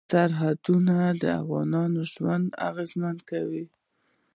سرحدونه د افغانانو ژوند اغېزمن کوي.